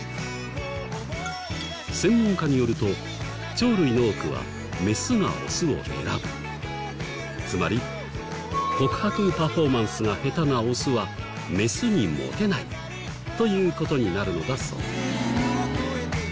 専門家によると鳥類の多くはつまり告白パフォーマンスが下手なオスはメスにモテないという事になるのだそう。